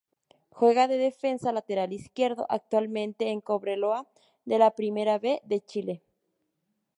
Juega de defensa lateral izquierdo actualmente en Cobreloa de la Primera B de Chile.